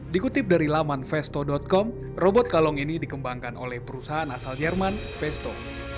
dikutip dari laman vesto com robot kalong ini dikembangkan oleh perusahaan asal jerman vesto